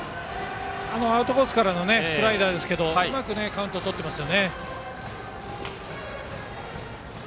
アウトコースからのスライダーですけどうまくカウントをとっています。